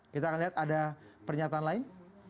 kita akan lihat ada pernyataan lain